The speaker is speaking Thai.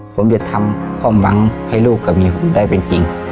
ผมจะทำความหวังให้ลูกกับเมียผมได้เป็นจริง